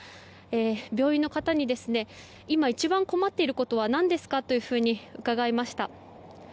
病院の方に今一番困っていることは何ですかというふうに伺いました。